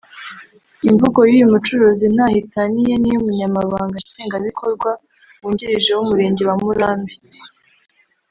Imvugo y’uyu mucuruzi ntaho itaniye niy’Umunyamabanga Nshingwabikorwa wungirije w’umurenge wa Murambi